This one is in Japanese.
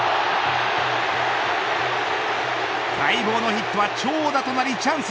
待望のヒットは長打となりチャンス。